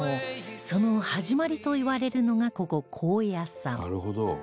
その始まりといわれるのがここ高野山